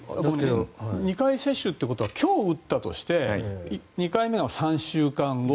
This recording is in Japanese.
２回接種ってことは今日打ったとして２回目が３週間後。